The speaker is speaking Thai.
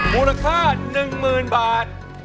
มูลค่า๑๐๐๐บาท